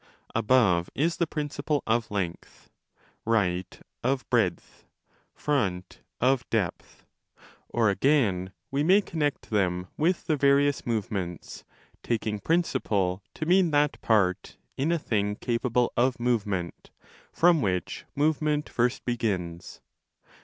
Above is the principle of length, right of breadth, front of depth. Or again we may connect them with the various movements, taking principle to mean that part, in a thing capable of movement, from which move ment first begins.